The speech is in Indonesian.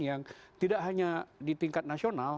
yang tidak hanya di tingkat nasional